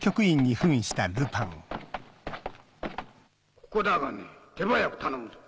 ここだがね手早く頼むぞ。